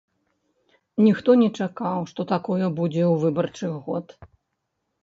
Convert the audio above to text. Ніхто не чакаў, што такое будзе ў выбарчы год.